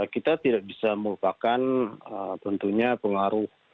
kita tidak bisa merupakan tentunya pengaruh